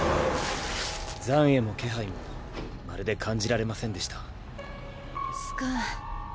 残穢も気配もまるで感じられませんでした。